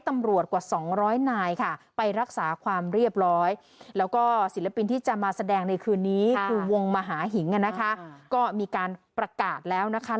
มาหาหิงกันนะคะก็มีการประกาศแล้วนะคะ